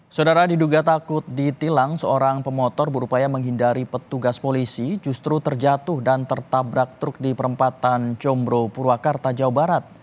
saudara diduga takut ditilang seorang pemotor berupaya menghindari petugas polisi justru terjatuh dan tertabrak truk di perempatan combro purwakarta jawa barat